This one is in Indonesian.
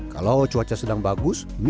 kalau cuaca sedang bagus mie bisa mencukupi